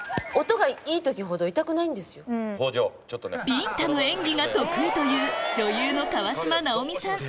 ビンタの演技が得意という女優の川島なお美さん